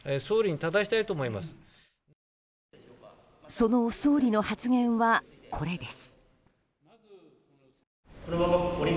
その総理の発言は、これです。